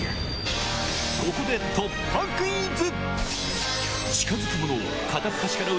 ここで突破クイズ！